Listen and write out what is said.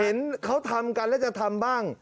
เห็นเขาทำกันแล้วจะทำบ้าง